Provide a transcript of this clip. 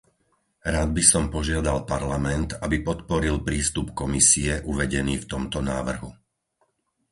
Rád by som požiadal Parlament, aby podporil prístup Komisie uvedený v tomto návrhu.